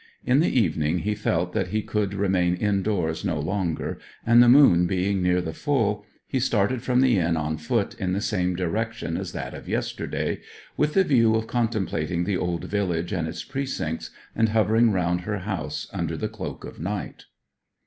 In the evening he felt that he could remain indoors no longer, and the moon being near the full, he started from the inn on foot in the same direction as that of yesterday, with the view of contemplating the old village and its precincts, and hovering round her house under the cloak of night.